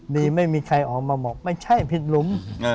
ดีไม่มีใครออกมาบอกไม่ใช่ผิดหลุม